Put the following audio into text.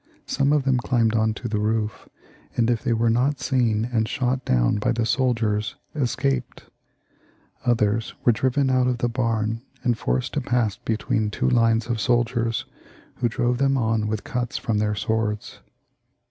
Some of them climbed on to the roof, and, if they were not seen and shot down by the soldiers, escaped ; others were driven out of the church, and forced to pass between two lines of soldiers, who drove them on with cuts from their swords.